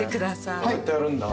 こうやってやるんだ。